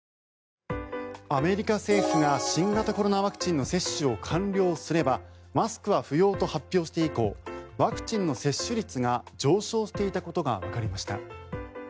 アメリカ政府が新型コロナワクチンの接種を完了すればマスクは不要と発表して以降ワクチンの接種率が上昇していたことがわかりました。